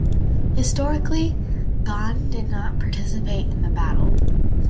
Historically, Gan did not participate in the battle.